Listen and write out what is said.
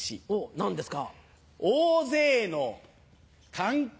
何ですか？